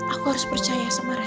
aku harus percaya sama rakyat